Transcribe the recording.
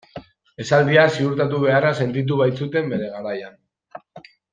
Esaldia ziurtatu beharra sentitu baitzuten bere garaian.